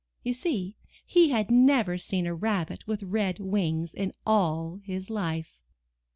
You see he had never seen a rabbit with red wings in all his life.